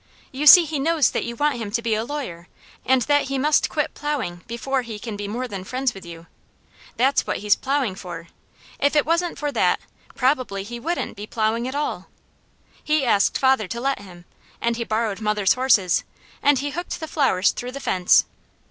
"You see he knows that you want him to be a lawyer, and that he must quit plowing before he can be more than friends with you. That's what he's plowing for! If it wasn't for that, probably he wouldn't; be plowing at all. He asked father to let him, and he borrowed mother's horses, and he hooked the flowers through the fence.